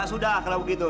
ya sudah kalau begitu